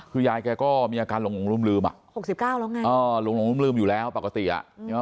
คือยายแกก็มีอาการหลงหลุมหลืมอ่ะหกสิบเก้าแล้วไงอ๋อหลงหลุมหลืมอยู่แล้วปกติอ่ะ